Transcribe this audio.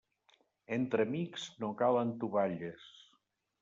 Entre amics, no calen tovalles.